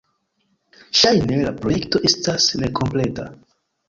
Ŝajne la projekto estas nekompleta.